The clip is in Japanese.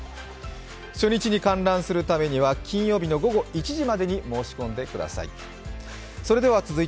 初日に観覧するためには金曜日の午後１時までに申し込んでください。